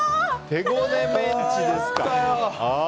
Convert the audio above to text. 手ごねメンチですか。